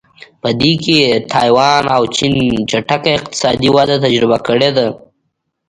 په دې کې تایوان او چین چټکه اقتصادي وده تجربه کړې ده.